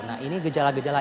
nah ini gejala gejala